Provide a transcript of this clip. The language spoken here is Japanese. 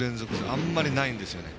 あんまりないんですよね。